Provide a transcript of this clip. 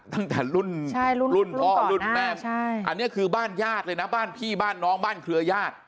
ตั้งแต่รุ่นรุ่นพ่อรุ่นแม่ใช่อันนี้คือบ้านญาติเลยนะบ้านพี่บ้านน้องบ้านเครือญาติ